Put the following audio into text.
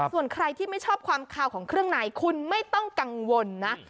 ส่วนใครที่ไม่ชอบความคาวของเครื่องในคุณไม่ต้องกังวลนะ